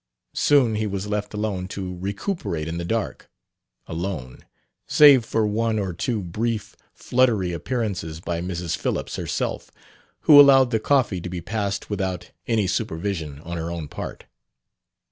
Soon he was left alone to recuperate in the dark, alone, save for one or two brief, fluttery appearances by Mrs. Phillips herself, who allowed the coffee to be passed without any supervision on her own part.